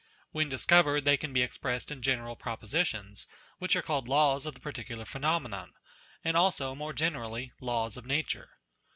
When dis covered they can be expressed in general propositions, which are called laws of the particular phenomenon, and also, more generally, Laws of Nature.